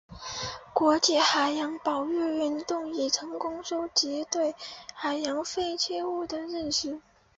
国际海洋保育运动已成功收集对海洋废弃物的认识。